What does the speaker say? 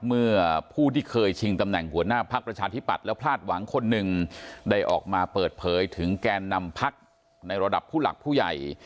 เมื่อผู้ที่เคยชิงตำแหน่งหัวหน้าพักประชาธิปัตย์แล้วพลาดหวังคนหนึ่งได้ออกมาเปิดเผยถึงแกนนำพักในระดับผู้หลักผู้ใหญ่